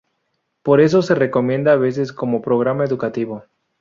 Por eso se recomienda a veces como programa educativo.